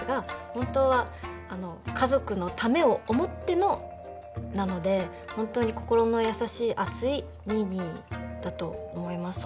本当は家族のためを思ってのなので本当に心の優しい熱いニーニーだと思います。